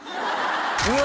うわ